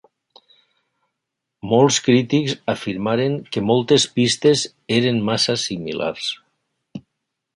Molts crítics afirmaren que moltes pistes eren massa similars.